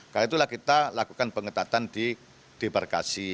kali itulah kita lakukan pengetatan di debar kasi